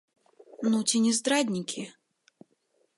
Ну ці не здраднікі?!